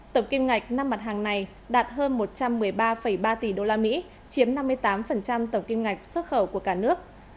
tổng kim ngạch năm mặt hàng này đạt hơn một trăm một mươi ba ba tỷ usd chiếm năm mươi tám tổng kim ngạch xuất khẩu của cả nước